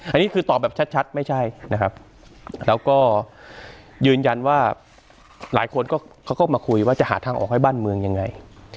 อันนี้คือตอบแบบชัดไม่ใช่นะครับแล้วก็ยืนยันว่าหลายคนเขาก็มาคุยว่าจะหาทางออกให้บ้านเมืองยังไง